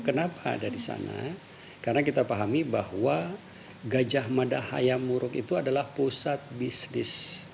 kenapa ada di sana karena kita pahami bahwa gajah mada hayam muruk itu adalah pusat bisnis